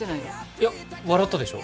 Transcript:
いや笑ったでしょ？